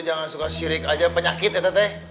jangan suka sirik aja penyakit ya teteh